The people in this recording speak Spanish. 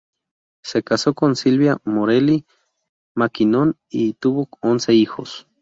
Se casó con Silvia Morelli Mackinnon y tuvo once hijos.